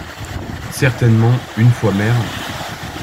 Certainement, une fois maire…